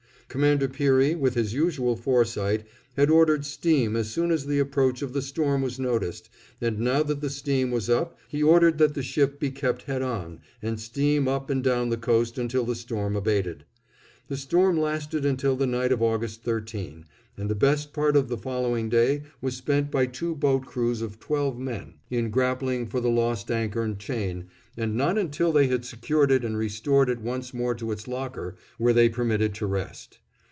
Commander Peary, with his usual foresight, had ordered steam as soon as the approach of the storm was noticed, and now that the steam was up, he ordered that the ship be kept head on, and steam up and down the coast until the storm abated. The storm lasted until the night of August 13, and the best part of the following day was spent by two boat crews of twelve men, in grappling for the lost anchor and chain, and not until they had secured it and restored it once more to its locker were they permitted to rest.